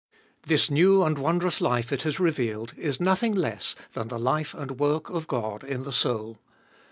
This new and wondrous life it has revealed is nothing less than the life and work of God in the soul.